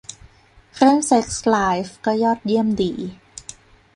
เรื่องเซ็กส์ไลฟ์ก็ยอดเยี่ยมดี